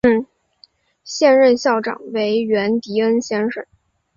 现任校长为源迪恩先生。